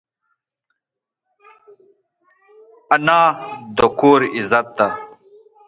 انا د کور عزت ده